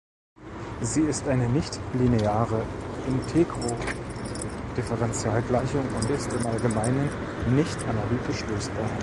Sie ist eine nichtlineare Integro-Differentialgleichung und ist im Allgemeinen nicht analytisch lösbar.